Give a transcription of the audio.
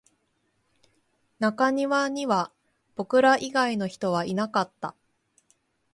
中庭には僕ら以外の人はいなかった